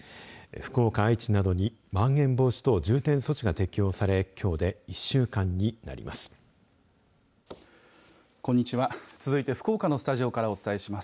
福岡、愛知などにまん延防止等重点措置が適用されきょうで１週間になります。